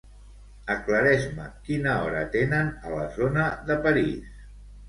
Aclareix-me quina hora tenen a la zona de París.